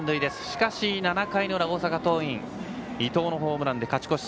しかし７回裏、大阪桐蔭は伊藤のホームランで勝ち越し。